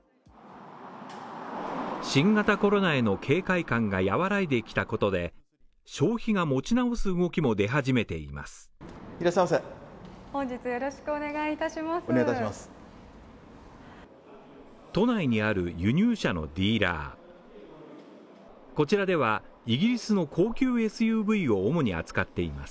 新型コロナへの警戒感が和らいできたことで、消費が持ち直す動きも出始めています。